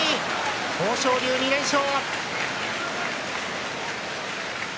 豊昇龍２連勝。